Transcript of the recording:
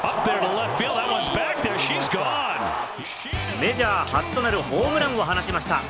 メジャー初となるホームランを放ちました。